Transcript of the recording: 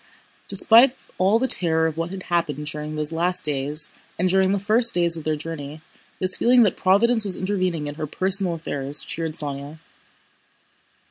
Despite all the terror of what had happened during those last days and during the first days of their journey, this feeling that Providence was intervening in her personal affairs cheered Sónya.